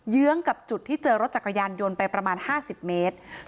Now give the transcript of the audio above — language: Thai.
ื้องกับจุดที่เจอรถจักรยานยนต์ไปประมาณ๕๐เมตร